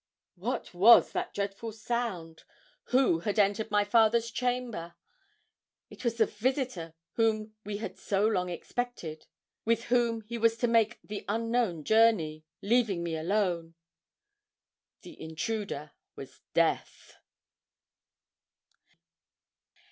What was that dreadful sound? Who had entered my father's chamber? It was the visitor whom we had so long expected, with whom he was to make the unknown journey, leaving me alone. The intruder was Death!